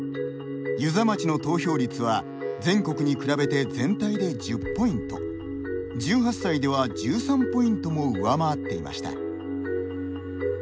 遊佐町の投票率は全国に比べて全体で１０ポイント１８歳では１３ポイントも上回っていました。